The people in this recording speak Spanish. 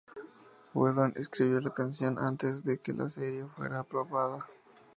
Whedon escribió la canción antes de que la serie fuera aprobada.